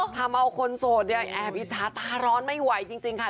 ทำเอาคนโสดเนี่ยแอบอิจฉาตาร้อนไม่ไหวจริงค่ะ